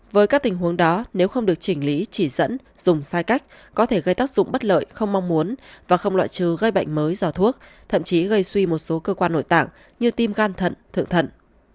với các tình huống đó nếu không được chỉnh lý chỉ dẫn dùng sai cách có thể gây tác dụng bất lợi không mong muốn và không loại trừ gây bệnh mới do thuốc thậm chí gây suy một số cơ quan nổi tạng như tim gan thận thượng thận